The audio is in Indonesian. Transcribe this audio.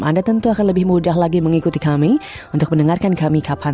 anda tentu akan lebih mudah lagi mengikuti kami untuk mendengarkan kami kapan